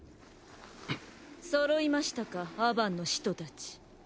そろいましたかアバンの使徒たち。